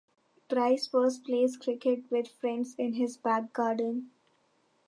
Price first played cricket with friends in his back garden.